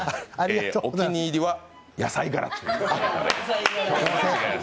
お気に入りは野菜柄ということですね。